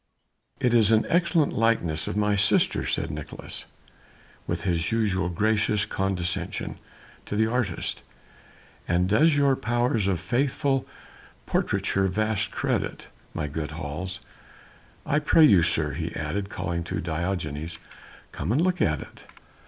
"It is an excellent likeness of my sister," said Nicolaes with his usual gracious condescension to the artist, "and does your powers of faithful portraiture vast credit, my good Hals. I pray you, sir," he added calling to Diogenes, "come and look at it."